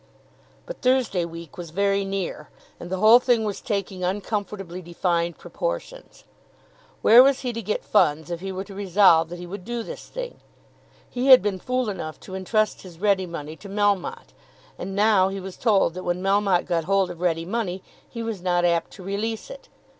But Thursday week was very near, and the whole thing was taking uncomfortably defined proportions. Where was he to get funds if he were to resolve that he would do this thing? He had been fool enough to intrust his ready money to Melmotte, and now he was told that when Melmotte got hold of ready money he was not apt to release it.